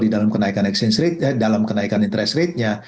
di dalam kenaikan interest rate nya